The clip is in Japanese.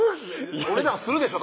お値段するでしょ？